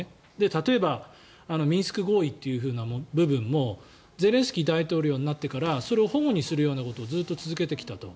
例えばミンスク合意という部分もゼレンスキー大統領になってからそれを反故にするようなことをずっと続けてきたと。